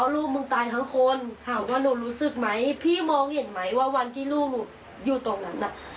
ลูกมึงตายทั้งคนถามว่าหนูรู้สึกไหมพี่มองเห็นไหมว่าวันที่ลูกอยู่ตรงนั้นน่ะ